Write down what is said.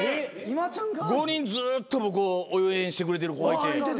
５人ずっと僕を応援してくれてる子がいて。